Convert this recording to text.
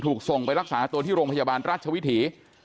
ถูกส่งไปรักษาตัวที่โรงพยาบาลราชวิถี